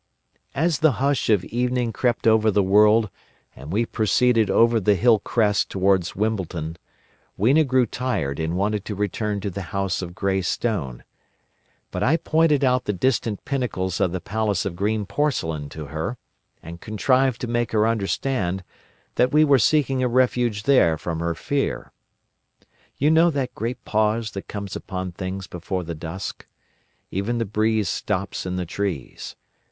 _ "As the hush of evening crept over the world and we proceeded over the hill crest towards Wimbledon, Weena grew tired and wanted to return to the house of grey stone. But I pointed out the distant pinnacles of the Palace of Green Porcelain to her, and contrived to make her understand that we were seeking a refuge there from her Fear. You know that great pause that comes upon things before the dusk? Even the breeze stops in the trees.